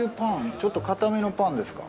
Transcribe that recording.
ちょっと硬めのパンですか？